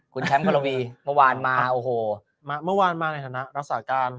คุณแชมป์กรวีเมื่อวานมาโอ้โหเมื่อวานมาในฐานะรักษาการ